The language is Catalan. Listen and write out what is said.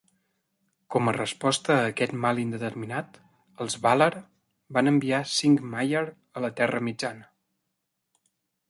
Com a resposta a aquest mal indeterminat, els vàlar van enviar cinc maiar a la Terra Mitjana.